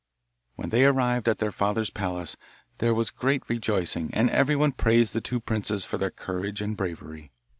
When they arrived at their father's palace there was great rejoicing, and everyone praised the two princes for their courage and bravery.